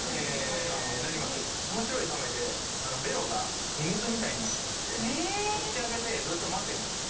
面白いカメでベロがミミズみたいになってまして口開けてずっと待ってるんですよ。